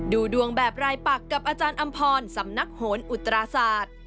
ดูดวงแบบรายปักกับอาจารย์อำพรสำนักโหนอุตราศาสตร์